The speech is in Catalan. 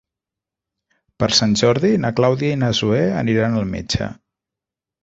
Per Sant Jordi na Clàudia i na Zoè aniran al metge.